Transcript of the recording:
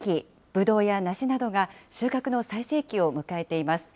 ぶどうや梨などが収穫の最盛期を迎えています。